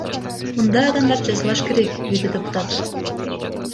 Мындай адамдарды жазалаш керек, — деди депутат.